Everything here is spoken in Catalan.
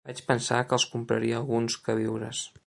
Vaig pensar que els compraria alguns queviures.